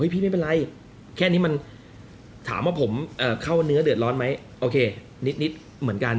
ไม่เป็นไรแค่นี้มันถามว่าผมเข้าเนื้อเดือดร้อนไหมโอเคนิดเหมือนกัน